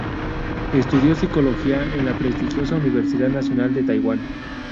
Estudió psicología en la prestigiosa Universidad Nacional de Taiwán.